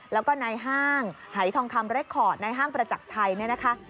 แล้วก็ในห้างหายทองคำเรคคอร์ดในห้างประจักรชัยเนี่ยนะคะ